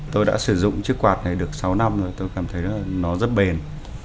tôi đã sử dụng chiếc quạt này được sáu năm rồi tôi cảm thấy là nó rất bền